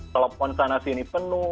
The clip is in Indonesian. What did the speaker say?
telepon sana sini penuh